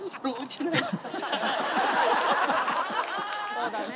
そうだね。